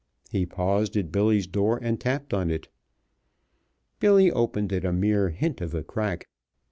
He paused at Billy's door and tapped on it. Billy opened it a mere hint of a crack.